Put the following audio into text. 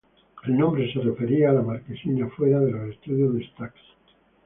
El nombre se refería a la marquesina fuera de los estudios de Stax.